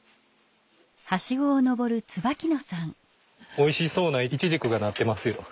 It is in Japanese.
おいしそうなイチジクがなってますよ。